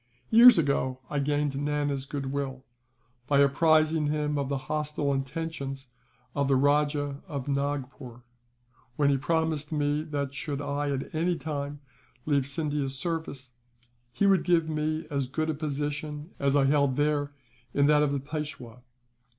"Years ago I gained Nana's goodwill, by apprising him of the hostile intentions of the Rajah of Nagpore; when he promised me that, should I at any time leave Scindia's service, he would give me as good a position as I held there in that of the Peishwa.